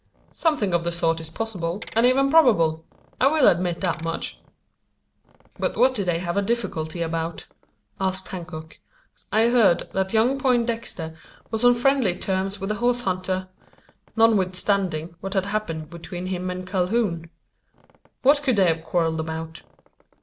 "Something of the sort is possible, and even probable. I will admit that much." "But what did they have a difficulty about?" asked Hancock. "I heard that young Poindexter was on friendly terms with the horse hunter notwithstanding what had happened between him and Calhoun. What could they have quarrelled about?"